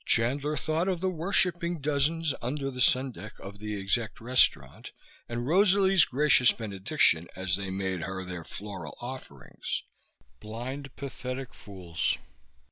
Chandler thought of the worshipping dozens under the sundeck of the exec restaurant, and Rosalie's gracious benediction as they made her their floral offerings. Blind, pathetic fools!